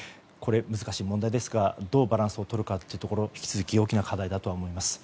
難しい問題ですがどうバランスをとるかが引き続き課題だと思います。